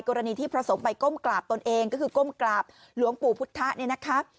กรณีที่ผสมไปก้มกราบตนเองก็คือก้มกราบหลวงปู่พุทธะ